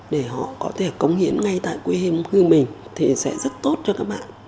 để họ có thể cống hiến ngay tại quê hương mình thì sẽ rất tốt cho các bạn